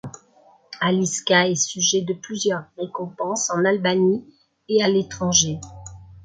Aliçka est sujet de plusieurs récompenses en Albanie et à l’étranger.